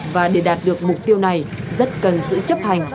và để đạt được mục tiêu này rất cần sự chấp hành